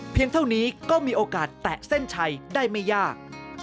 เท่านี้ก็มีโอกาสแตะเส้นชัยได้ไม่ยาก